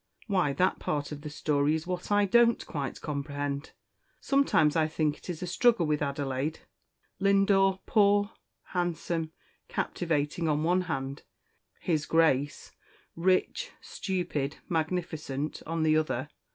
"Why, that part of the story is what I don't quite comprehend. Sometimes I think it is a struggle with Adelaide. Lindore, poor, handsome, captivating, on one hand; his Grace, rich, stupid, magnificent, on the other.